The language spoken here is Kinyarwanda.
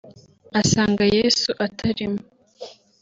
asanga Yesu atarimo